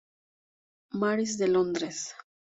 Mary's de Londres.